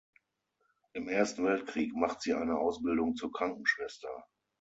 Im Ersten Weltkrieg macht sie eine Ausbildung zur Krankenschwester.